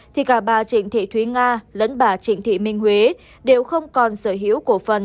thì cả bà trịnh thị thúy nga lẫn bà trịnh thị minh huế đều không còn sở hữu cổ phần